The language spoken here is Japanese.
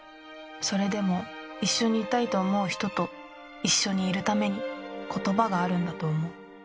それでも一緒にいたいと思う人と一緒にいるために言葉があるんだと思う。